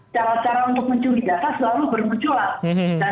cara cara untuk menculik data selalu bermunculan